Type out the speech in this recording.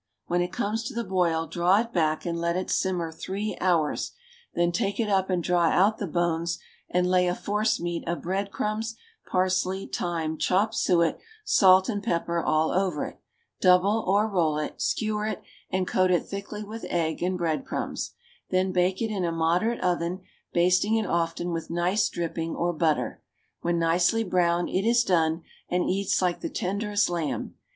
When it comes to the boil draw it back and let it simmer three hours; then take it up and draw out the bones, and lay a force meat of bread crumbs, parsley, thyme, chopped suet, salt and pepper all over it; double or roll it, skewer it, and coat it thickly with egg and bread crumbs; then bake in a moderate oven, basting it often with nice dripping or butter; when nicely brown it is done, and eats like the tenderest lamb.